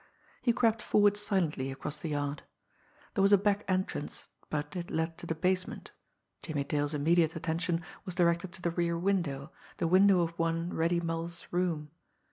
He crept forward silently across the yard. There was a back entrance, but it led to the basement Jimmie Dale's immediate attention was directed to the rear window, the window of one Reddy Mull's room.